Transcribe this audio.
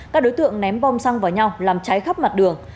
các đối tượng ném bom xăng vào nhau làm cháy khắp mặt đường